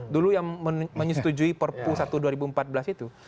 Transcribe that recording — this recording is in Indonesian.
dulu yang menyetujui perpu satu dua ribu empat belas itu